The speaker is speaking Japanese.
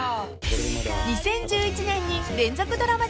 ［２０１１年に連続ドラマデビュー］